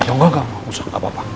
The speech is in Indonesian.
ya nggak nggak usah nggak apa apa